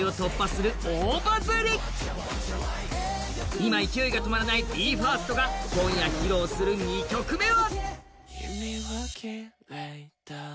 今、勢いが止まらないＢＥ：ＦＩＲＳＴが今夜披露する２曲目は？